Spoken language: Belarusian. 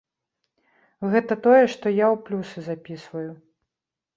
Гэта тое, што я ў плюсы запісваю.